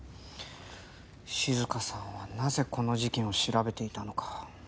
静香さんはなぜこの事件を調べていたのか。